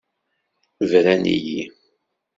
Bran-iyi.